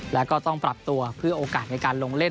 แล้วก็ต้องปรับตัวเพื่อโอกาสในการลงเล่น